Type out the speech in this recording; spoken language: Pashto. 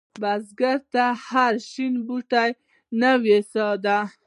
بزګر ته هره شنه بوټۍ نوې سا ده